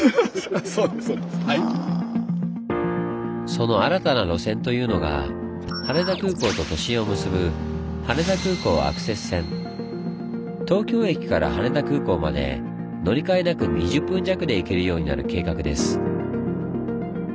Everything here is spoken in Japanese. その新たな路線というのが羽田空港と都心を結ぶ東京駅から羽田空港まで乗り換えなく２０分弱で行けるようになる計画です。